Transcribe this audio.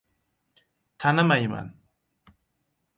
— Tanimayman!